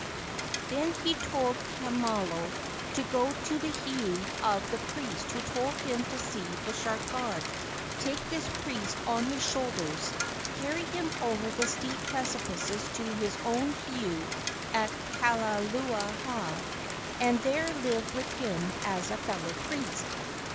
Then he told Kamalo to go to the heiau of the priest who told him to see the shark god, take this priest on his shoulders, carry him over the steep precipices to his own heiau at Kaluaaha, and there live with him as a fellow priest.